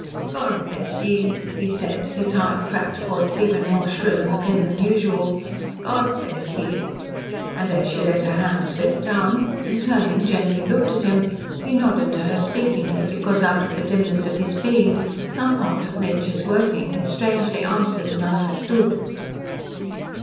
"God bless ye!" he said, his high, cracked voice even more shrill and thin than usual. "God bless ye!" And as she let her hands slip down, and, turning, gently looked at him, he nodded to her speakingly, because out of the dimness of his being, some part of Nature's working had strangely answered and understood.